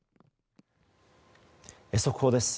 速報です。